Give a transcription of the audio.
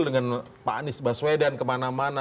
dengan pak anies baswedan kemana mana